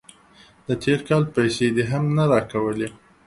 د تیر کال پیسې دې هم نه راکولې.